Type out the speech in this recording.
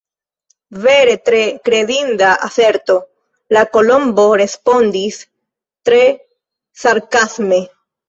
"Vere tre kredinda aserto!" la Kolombo respondis tre sarkasme.